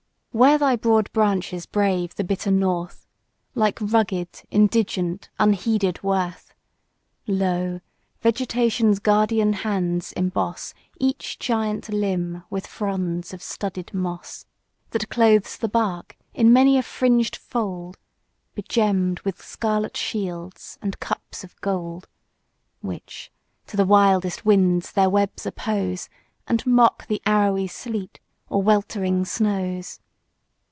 WHERE thy broad branches brave the bitter North, Like rugged, indigent, unheeded, worth, Lo! Vegetation's guardian hands emboss Each giant limb with fronds of studded moss, That clothes the bark in many a fringed fold Begemm'd with scarlet shields, and cups of gold, Which, to the wildest winds their webs oppose, And mock the arrowy sleet, or weltering snows.